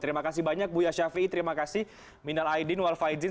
terima kasih banyak bu yasha fi terima kasih minal aydin wal faizin